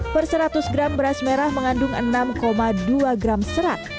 per seratus gram beras merah mengandung enam dua gram serat